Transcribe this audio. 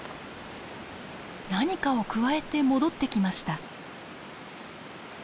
何かをくわえて戻ってきました。